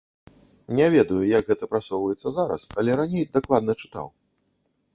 Не ведаю, як гэта прасоўваецца зараз, але раней дакладна чытаў.